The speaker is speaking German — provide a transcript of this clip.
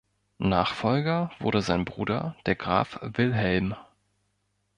Nachfolger wurde sein Bruder, der Graf Wilhelm.